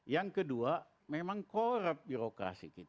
yang kedua memang korup birokrasi kita